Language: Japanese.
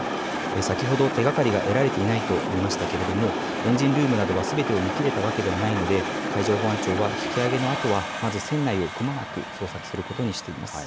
先ほど手がかりが得られていないと言いましたけれども、エンジンルームなどは、すべてを見切れたわけではないので、海上保安庁は、引き揚げのあとは、まず船内をくまなく捜索することにしています。